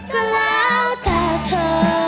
ก็แล้วแต่เธอ